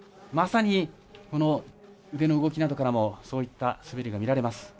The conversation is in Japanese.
まさに、腕の動きなどからもそういった滑りが見られます。